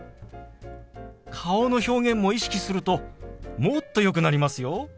顔の表現も意識するともっとよくなりますよ。